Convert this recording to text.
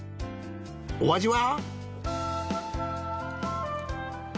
お味は？